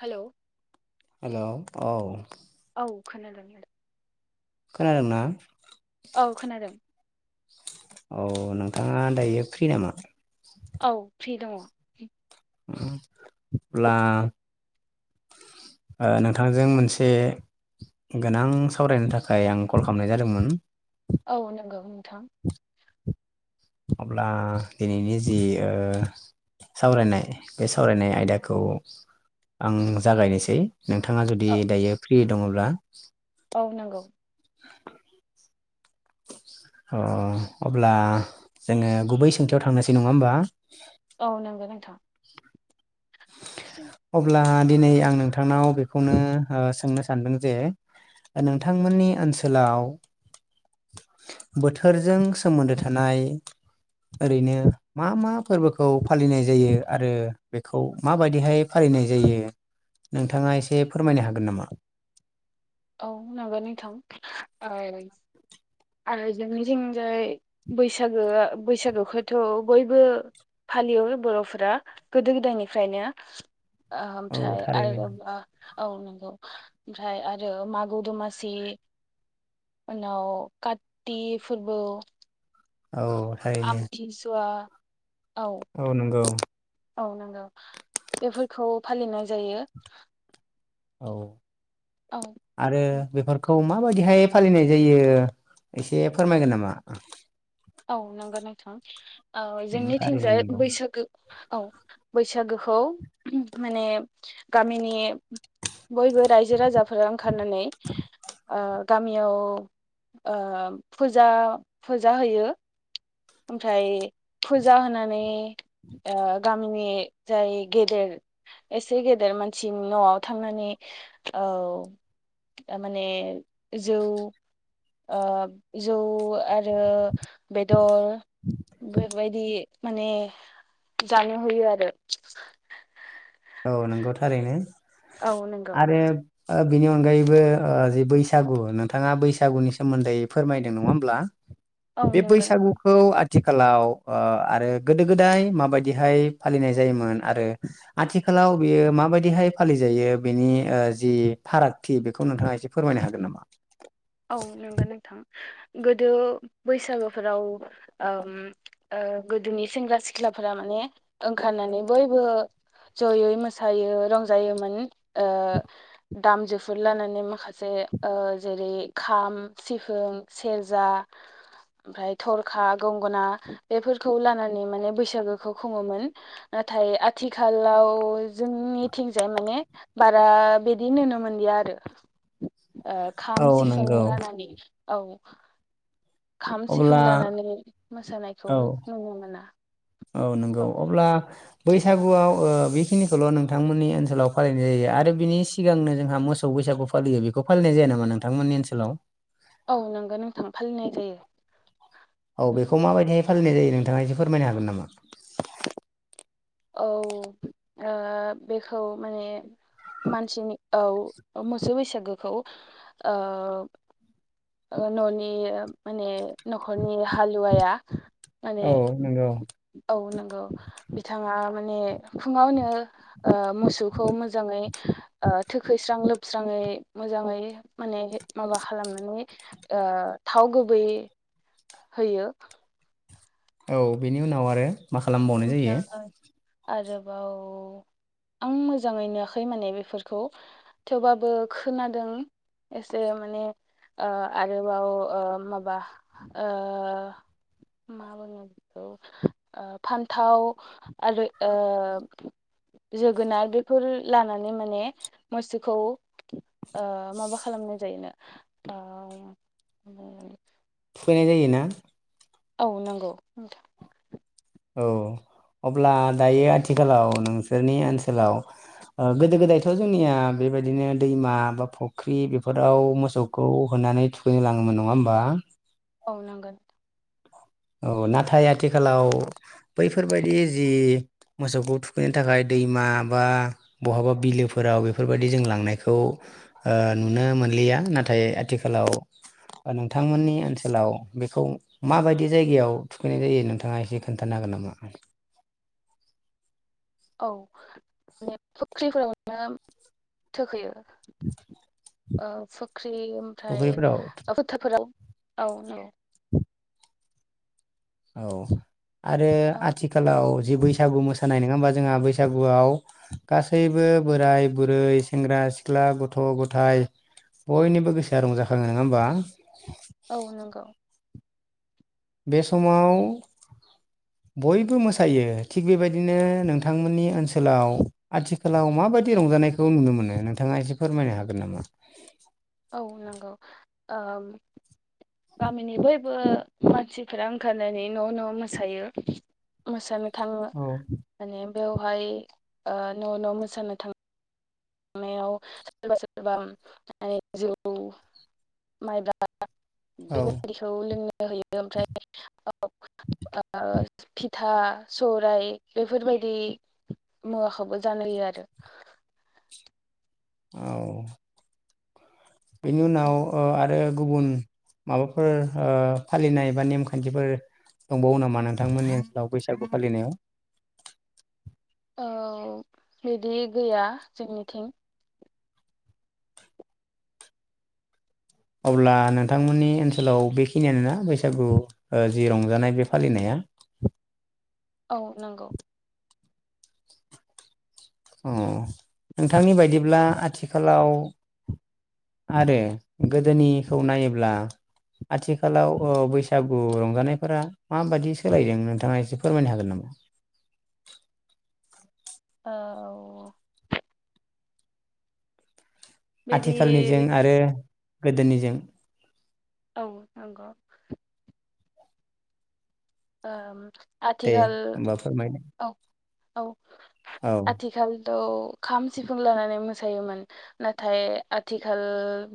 हेल'। हेल' औ। फखान द। खोनादोंना। औ खोनादों। औ नोंथाङा दायो फ्रि नामा। औ फ्रि दङ। अब्ला। नोंथांजों मोनसे। गोनां सावरायनो थाखाय आं कल खालामनाय जादोंमोन। औ नंगौ नोंथां। अब्ला दिनैनि जि सावरायनाय बे सावरायनाय आयदाखौ। आं जागायनोसै नोंथाङा जुदि औ दायो फ्रि दङब्ला। औ नगौ। अ अब्ला जोङो गुबै सोंथियाव थांनोसै नङा होमबा। औ नंगो नोंथां। अब्ला दिनै आं नोंथांनाव बेखौनो सोंनो सानदों जे। नोंथांमोननि ओनसोलाव बोथोरजों सोमोन्दो थानाय ओरैनो मा मा फोर्बोखौ फालिनाय जायो आरो बेखौ खौ माबायदिहाय फालिनाय जायो नोंथाङा एसे फोरमायनो हागोन नामा? औ माबानि थां आरो जोंनिथिंजाय बैसागोआ बैसागोखौथ' बयबो फालियो बर'फोरा गोदो गोदायनिफ्रायनो औ ओमफ्राय थारैनो आरो औ नंगौ ओमफ्राय आरो मागो दमासि उनाव काथति फोर्बो औ थारैनो औ नंगौ औ नांगौ बेफोरखौ फालिनाय जायो औ आरो औ बेफोरखौ मा माबादिहाय फालिनाय जायो एसे फोरमायगोन नामा औ नंगौ नोंथां औ थारैनो जोंनिथिंजाय नंगौ बैसागो औ बैसागोखौ माने गामिनि बयबो रायजो राजाफोरा ओंखारनानै ओ गामियाव ओ फुजा फुजा होयो ओमफ्राय फुजा होनानै ओ गामिनि जाय गेदेर एसे गेदेर मानसिनि न'आव थांनानै औ ओ माने जौ ओ जौ आरो बेदर बेबायदि माने जानो होयो आरो औ नंगौ थारैनो औ नंगौ आरो ओ बिनि अनगायैबो जे बैसागु नोंथाङा बैसागुनि सोमोन्दै फोरमायदों नङा होमब्ला औ बे नंगौ नोंथां बैसागुखौ आ थिखालाव ओ आरो गोदो गोदाय माबायदिहाय फालिनाय जायोमोन आरो आथिखालाव बेयो माबायदिहाय फालिजायो बेनि जि फारागथि बेखौ नोंथाङा एसे फोरमाय हागोन नामा औ नंगौ नोंथां गोदो बैसागोफोराव ओम गोदोनि सेंग्रा सिख्लाफोरा माने ने ओंखारनानै बयबो जयै मोसायो रंजायोमोन ओ दामजुफोर लानानै माखासे ओ जेरै खाम सिफुं सेरजा ओमफ्राय थरखा गंगना बेफोरखौ लानानै माने बैसागोखौ खुङोमोन नाथाय आथिखालाव जोंनिथिंजाय माने बारा बिदि नुनो मोनलिया आरो [unintelligible] ओ औ खाम सिफुं नंगौ लानानै औ खाम अब्ला सिफुं लानानै मोसानायखौ औ नुनो मोना औ नंगौ अब्ला बैसागुआव ओ बेखिनिखौल' नोंथांमोननि ओनसोलाव फालिनाय जायो आरो बिनि सिगांनो जोंहा मोसौ बैसाग सागो फालियो बेखौ फालिनाय जाया नामा नोंथांमोननि ओनसोलाव दे औ बेखौ माबायदिहाय फालिनाय जायो नोंथाङा एसे फोरमायनो हागोन नामा औ ओ बेखौ माने मानसिनि औ मोसौ बैसागोखौ ओ न'नि माने न'खरनि हालुवाया माने औ नंगौ औ नंगौ बिथाङा माने फुङावनो ओ मोसौखौ मोजाङै ओ थोखैस्रां लोब स्राङै मोजाङै माने माबा खालामनानै ओ थाव गुबै होयो औ बेनि उनाव आरो मा खालामबावनाय जायो ओमफ्राय आरोबाव आं मोजाङै नुवाखै माने बेफोरखौ थेवबाबो खोनादों एसे माने ओ आरोबाव ओ माबा ओ मा बोङो बेखो आ फान्थाव आरो ओ जोगोनार बेफोर लानानै माने मोसौखौ माबा खालामनाय जायोना ओ थुखैनाय जायोना औ नंगौ औ अब्ला दायो आथिखालाव नोंसोरनि ओनसोलाव ओ गोदो गोदायथ' जोंनिया बेबायदिनो दैमा बा फुख्रि बेफोराव मोसौखौ होनो नानै थुखैनो लाङोमोन नङा होमबा औ लांगोन औ नाथाय आथिखालाव बैफोरबायदि जि मोसौखौ थुखैनो थाखाय दैमा बा बहाबा बिलोफोराव बेफोरबायदि जों लांनायखौ ओ नुनो मोन मोनलिया नाथाय आथिखालाव नोंथांमोननि ओनसोलाव बेखौ माबायदि जायगायाव थुखैनाय जायो नोंथाङा एसे खोन्थानो हागोन नामा औ मे फुख्रिफोरावनो थोखैयो ओ फुख्रि ओमफ्राय फुख्रिफोराव फोथोरफोराव [inaudible] औ नोंगै औ [inaudible] औ आरो औ आथिखालाव जि बैसागु मोसानाय नङा होमबा जोंहा बैसागुआव गासैबो बोराय बुरै सेंग्रा सेंग्रा सिख्ला गथ' गथाय बयनिबो गोसोआ रंजाखाङो नङा होमबा औ नंगौ बे समाव बयबो मोसायो थिग बेबायदिनो नोंथांमोननि ओनसोलाव आथिखालाव माबायदि रंजायो रंजानायखौ नुनो मोननो नोंथाङा एसे फोरमायनो हागोन नामा औ नंगौ ओ गामिनि बयबो मानसिफोरा ओंखारनानै न' न' मोसायो मोसानो थाङो औ माने बेवहाय ओ न' न' मोसानो थाङो याव सोरबा सोरबा माने जौ माइब्रा बेबायदिखौ लोंनो होयो ओमफ्राय ओ ओ फिथा सौरायाइ बेफोरबायदि मुवाखौबो जानो होयो आरो [unintelligible] औ बेनि उनाव आरो ओ आरो गुबुन माबाफोर ओ फालिनाय बा नेमखान्थिफोर दंबावो नामा नोंथांमोननि ओनसोलाव बैसागु फालिनायाव औ बिदि गैया जोंनिथिं अब्ला नोंथांमोननि ओनसोलाव बेखिनियानोना बैसागु जि रंजानाय बे फालिनाया [unintelligible] औ नंगौ अ नोंथांनि बायदिब्ला आथिखालाव आरो गोदोनिखौ नायोब्ला आथिखालाव बैसागु रंजानायफोरा माबाददि सोलायदों नोंथाङा एसे फोरमायनो हागोन नामा? [inaudible] औ बिदि आथिखालनिजों आरो गोदोनिजों औ नोंगौ। उम दे आथिखाल होमबा फोरमायदो औ औ औ आथिखालथ' खाम सिफुं लानानै मोसायोमोन नाथाय आथिखाल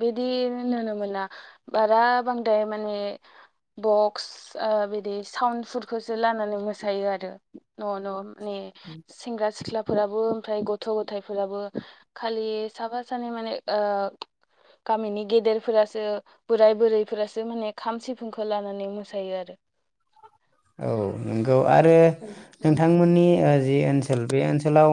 बिदि नुनो मोना। [unintelligible] बारा बांद्रा माने बगस ओ बिदि साउड फुथखौसो लानानै मोसायो आरो न' न' माने सेंग्रा सिख्ला फोराबो ओमफ्राय गथ' गथफोराबो खालि साफा सानै माने ओ गामिनि गेदेरफोरासो बोराय बुरैफोरासो माने खाम सिफुंखौ लानानै मोसायो आरो औ नंगौ आरो नोंथांमोननि जि ओनसोल ओनसोल बि ओनसोलाव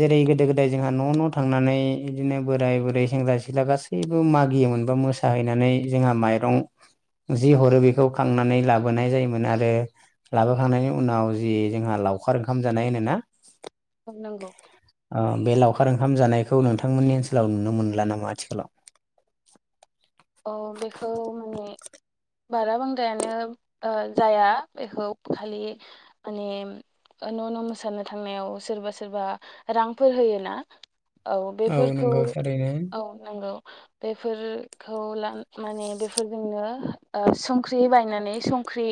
जेरै गोदो गोदाय जोंहा न' न' थांनानै बिदिनो बोराय बुरै सेंग्रा सिख्ला गासैबो मागियो मोनबा मोसा हैनानै जोंहा माइरं जि हरो बेखौ खांनानै लाबोनाय जायोमोन आरो बे आरो लाबोखांनायनि उनाव जे जोंहा लावखार ओंखाम जानाय होनोना औ नंगौ ओ बे लावखार ओंखाम जानायखौ नोंथांमोननि ओनसोलाव नुनो मोनला नामा आथिखालाव औ बेखौ मानि बारा बांद्रायानो जाया बेखौ खालि माने ओ न' न' मोसानो थांनायाव सोरबा सोरबा रांफोर होयो ना? औ बेफोरखौ नंगौ थारैनो औ नंगौ बेफोर खौ माने ओ बेफोरजोंनो संख्रि बायनानै संख्रि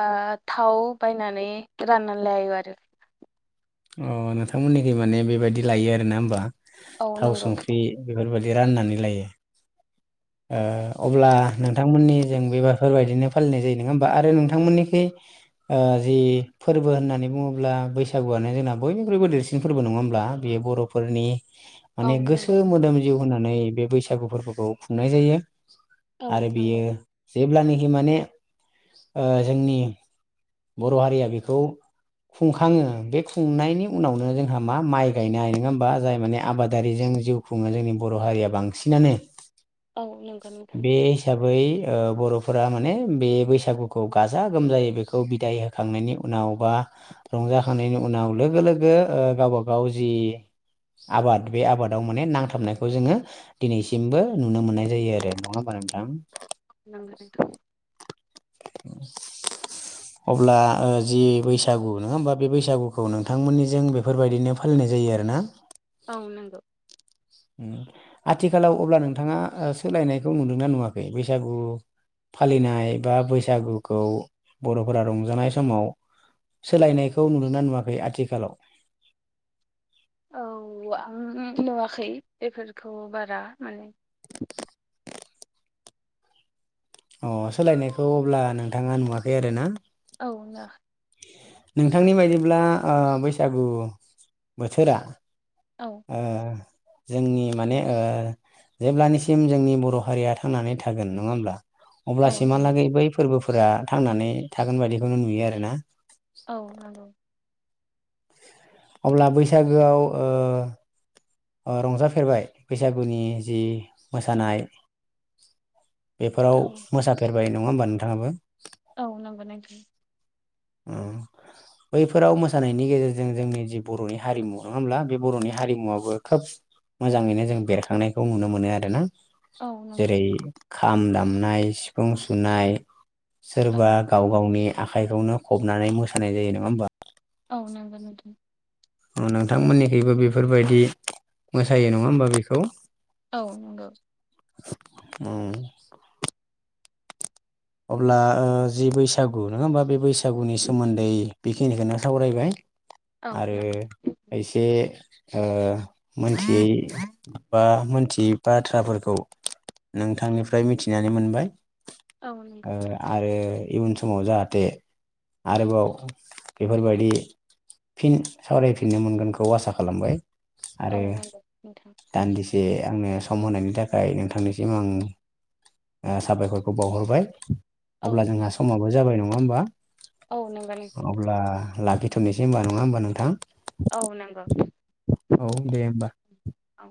बा थाव बायनानै राननानै लायो आरो [inaudible] ओ नोंथांमोननिखै मानि बेबादि लायो आरो ना होमबा औ थाव नंगौ संख्रि बेफोरबादि राननानै लायो। ओ अब्ला नोंथांमोननि जों बेफोरबायदिनो फालिनाय जायो नङा होमबा आरो नोंथांमोननिखै ओ जि फोरबो होननानै बुङोब्ला बैसागुआनो जोंना बयनिख्रुबो देरसिन फोरबो नङा होमब्ला दा बेयो बर'फोरनि औ मानि गोसो नंगौ मोदोम जिउ होननानै बे बैसागु फोरबोखौ खुंनाय जायो। औ आरो बियो नंगौ जेब्लानखि माने ओ जोंनि बर' हारिया बेखौ खुंखाङो बे खुंनायनि उनावनो जोंहा मा माइ गायनाय नङा होमबा जाय माने आबादारि जों जों जिउ खुङो जोंनि बर' हारिया बांसिनानो औ नंगौ नोंथां बे हिसाबै ओ बर'फोरा मानि बे बैसागुखौ गाजा गोमजायै बेखौ बिदाय होखांनायनि उनाव बा रंजा खांनायनि उनाव लोगो लोगो गावबा गाव जि आबाद बे आबादाव माने नांथाबनायखौ जोङो दिनैसिमबो नुनो मोननाय जायो नङा होनबा नोंथां नंगौ नोंथां। [unintelligible] अब्ला ओ जि बैसागु नंङा होमबा बे बैसागुखौ नोंथांमोननिजों बेफोरबायदिनो फालिनाय जायो आरो ना औ नंगौ उम आथिखालाव अब्ला नोंथांआ सोलायनायखौ नुदों ना नुवाखै बैसागु फालिनाय बा बैसागुखौ बर'फोरा रंजानाय समाव सोलायनायखौ नुुदों ना नुवाखै आथिखालाव? औ आं नुवाखै बेफोरखौ बारा माने ओ सोलायनायखौ अब्ला नोंथांआ नुवाखै आरो ना? औ नुयाखै। नोंथांनि बायदिब्ला ओ बैसागु बोथोरा औ ओ जोंनि माने ओ जेब्लानिसिम जोंनि बर' हारिया थांनानै थागोन नङा होमब्ला औ नंगौ अब्लासिमहालागै बै फोरबोफोरा थांनानै थागोन बायदिखौनो नुयो आरो ना औ नंगौ अब्ला बैसागोआव ओ ओ रंजाफेरबाय बैसागुनि जि मोसानाय बेफोराव औ मोसा फेरबाय नङा होमबा नोंथाङाबो औ नंगौ नोंथां अ बैफोराव मोसानायनि गेजेरजों जोंनि जे बर'नि हारिमु नङा होमब्ला बि बर'नि हारिमुवाबो खोब मोजांयैनो जों बेरखांनायखौ नुनो मोनो आरोना औ नंगौ जेरै खाम दामनाय सिफुं सुनाय औ सोरबा गाव गावनि आखाइखौनो खबनानै मोसानाय जायो नङा होमबा औ नंगौ नोंथां। नोंथांमोननिखबो बेफोरबायदि मोसायो नङा होमबा बेखौ। औ नंगौ। औ। अब्ला जि बैसागु नङा होमबा बे बैसागुनि सोमोन्दै बेखिनिखौनो सावरायबाय औ आरो नंगौ एसे ओ मोनथियै बा मोनथियै बाथ्राफोरखौ नोंथांनिफ्राय मिथिनानै मोनबाय औ नंगौ आरो इयुन समाव जाहाथे आरोबाव बेफोरबायदि फिन सावरायफिननो मोनगोनखौ आसा खालामबाय औ आरो नंगौ नोंथां दान्दिसे आंङो सम होनायनि थाखाय नोंथांनिसिम आं साबायखरखौ बावहरबाय। औ अब्ला जोंहा नंगौ समाबो जाबाय नङा होमबा? औ नोंगौ नोंथां। अब्ला लाखिथ'नोसै होनबा नङा होमबा नोंथां? औ नोंगौ। औ दे होमबा। औ।